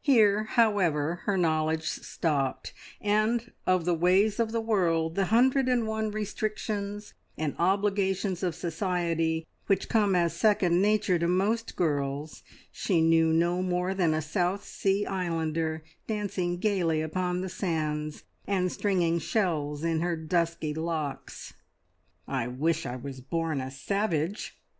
Here, however, her knowledge stopped, and of the ways of the world, the hundred and one restrictions and obligations of society which come as second nature to most girls, she knew no more than a South Sea Islander dancing gaily upon the sands, and stringing shells in her dusky locks. "I wish I was born a savage!"